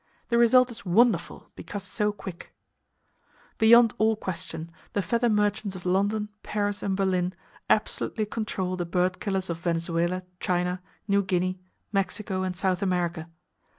The result is wonderful, because so quick. [Page 135] Beyond all question, the feather merchants of London, Paris and Berlin absolutely control the bird killers of Venezuela, China, New Guinea. Mexico and South America.